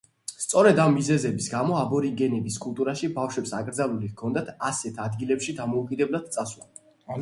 სწორედ ამ მიზეზის გამო, აბორიგენების კულტურაში ბავშვებს აკრძალული ჰქონდათ ასეთ ადგილებში დამოუკიდებლად წასვლა.